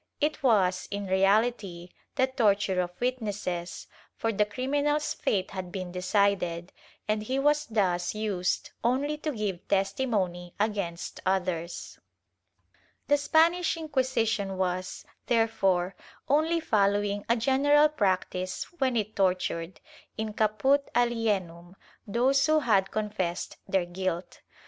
It was, in reality, the torture of witnesses, for the criminal's fate had been decided, and he was thus used only to give testimony against others. The Spanish Inquisition was, therefore, only following a general practice when it tortured, in caput alienum, those who had con fessed their guilt.